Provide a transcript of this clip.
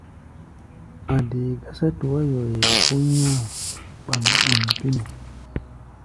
A̧ dee gásá tuá-yoyɛ kó nyá̧-a̧ ɓam-ɓum pínu.